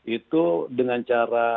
itu dengan cara